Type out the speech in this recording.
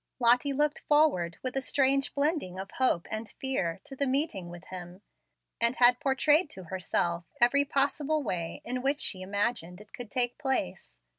Lottie looked forward with a strange blending of hope and fear to the meeting with him, and had portrayed to herself every possible way in which she imagined it could take place.